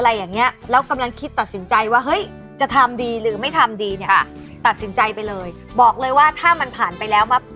แบบสีดำสีเทาสีอะไร